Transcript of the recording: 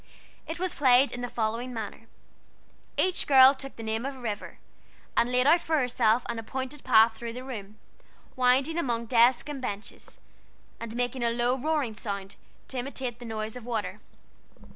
It was played in the following manner: Each girl took the name of a river, and laid out for herself an appointed path through the room, winding among the desks and benches, and making a low, roaring sound, to imitate the noise of water.